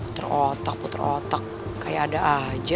puter otak putar otak kayak ada aja